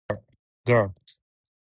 Gart.